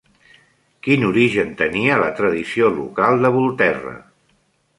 Quin origen tenia la tradició local de Volterra?